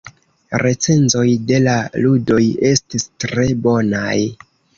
Recenzoj de la ludoj estis tre bonaj.